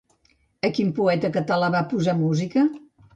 A quin poeta català va posar música?